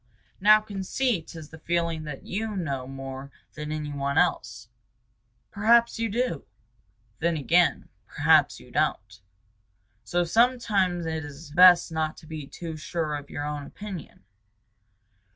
Now conceit is the feeling that you know more than any one else. Perhaps you do. Then again, perhaps you don't. So sometimes it is best not to be too sure of your own opinion.